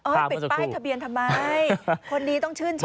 ปิดป้ายทะเบียนทำไมคนนี้ต้องชื่นชม